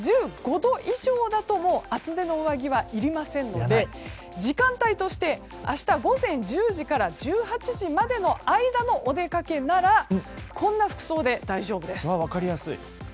１５度以上だと厚手の上着はいりませんので時間帯として明日午前１０時から１８時までの間のお出かけならこんな服装で大丈夫です。